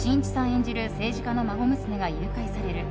演じる政治家の孫娘が誘拐される。